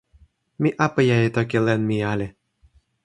mi apeja e toki len mi ali.